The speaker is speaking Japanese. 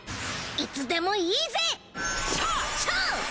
いつでもいいぜ！